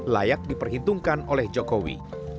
layak diperhitungkan oleh jokowi